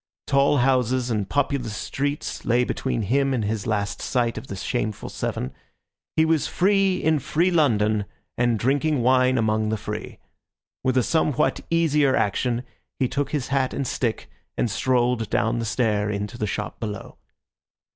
Tall houses and populous streets lay between him and his last sight of the shameful seven; he was free in free London, and drinking wine among the free. With a somewhat easier action, he took his hat and stick and strolled down the stair into the shop below.